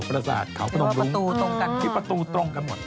ประสาทเขาประตูตรงกันหมด